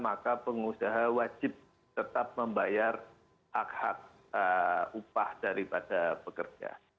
maka pengusaha wajib tetap membayar hak hak upah daripada pekerja